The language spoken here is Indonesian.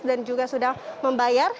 dan juga sudah membayar